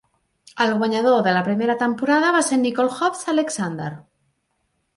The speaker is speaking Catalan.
El guanyador de la primera temporada va ser Nicole "Hoopz" Alexander.